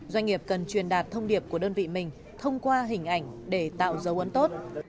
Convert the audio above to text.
doanh nghiệp cần truyền đạt thông điệp của đơn vị mình thông qua hình ảnh để tạo dấu ấn tốt